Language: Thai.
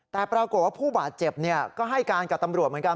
แต่ปรากฏว่าผู้บาดเจ็บก็ให้การกับตำรวจเหมือนกัน